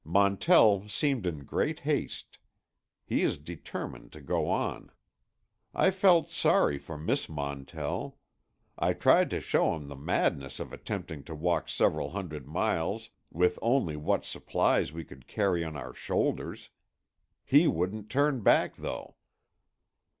Montell seemed in great haste. He is determined to go on. I felt sorry for Miss Montell. I tried to show him the madness of attempting to walk several hundred miles with only what supplies we could carry on our shoulders. He wouldn't turn back, though."